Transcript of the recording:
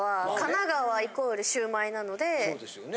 そうですよね。